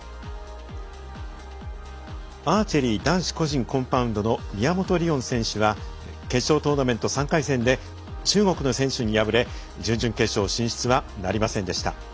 アーチェリー男子個人コンパウンドの宮本リオン選手は決勝トーナメント３回戦で中国の選手に敗れ準々決勝進出はなりませんでした。